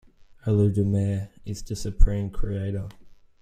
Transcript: Eledumare is the Supreme Creator.